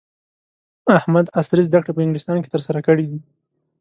احمد عصري زده کړې په انګلستان کې ترسره کړې دي.